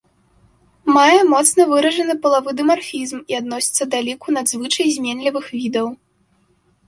Мае моцна выражаны палавы дымарфізм і адносіцца да ліку надзвычай зменлівых відаў.